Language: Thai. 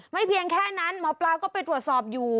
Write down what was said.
เพียงแค่นั้นหมอปลาก็ไปตรวจสอบอยู่